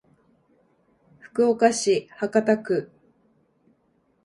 福岡市博多区